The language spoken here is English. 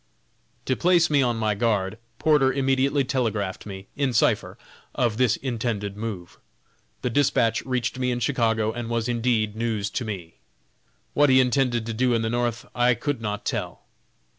To place me on my guard, Porter immediately telegraphed me, in cipher, of this intended move. The dispatch reached me in Chicago, and was indeed news to me. What he intended to do in the North I could not tell.